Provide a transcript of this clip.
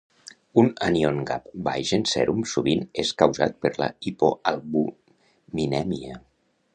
Un anion gap baix en sèrum sovint és causat per la hipoalbuminèmia.